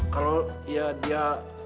kalau ya dia